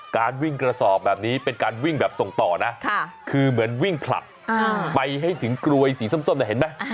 การวิ่งกระสอบแบบนี้เป็นการวิ่งแบบส่งต่อนะคือเหมือนวิ่งผลักไปให้ถึงกรวยสีส้มเนี่ยเห็นไหม